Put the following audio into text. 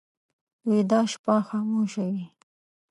ویده شپه خاموشه وي